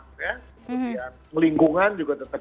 kemudian lingkungan juga tetap